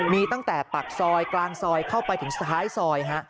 มีตั้งแต่ปากซอยกลางซอยเข้าไปถึงท้ายซอย